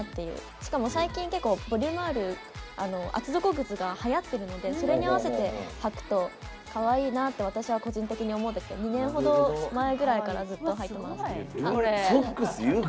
しかも最近結構ボリュームのある厚底靴がはやっているのでそれに合わせてはくとかわいいなと私は個人的に思ってて、２年ほど前ぐらいからずっと、はいています。